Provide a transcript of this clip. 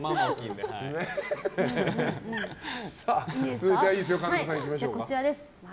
続いて神田さんいきましょう。